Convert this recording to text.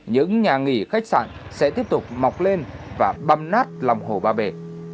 những nhà nghỉ khách sạn sẽ tiếp tục mọc lên và băm nát lòng hồ ba bể